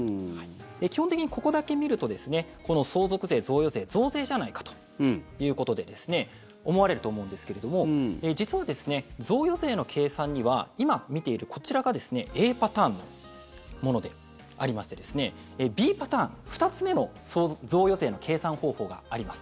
基本的にここだけ見るとこの相続税、贈与税増税じゃないかということで思われると思うんですけれども実は贈与税の計算には今、見ているこちらがＡパターンのものでありましてＢパターン、２つ目の贈与税の計算方法があります。